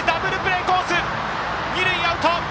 二塁アウト。